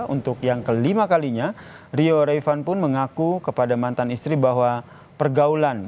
untuk yang kelima kalinya rio revan pun mengaku kepada mantan istri bahwa pergaulan